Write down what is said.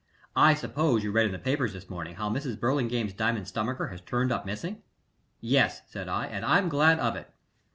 "I suppose you read in the papers this morning how Mrs. Burlingame's diamond stomacher has turned up missing." "Yes," said I, "and I'm glad of it."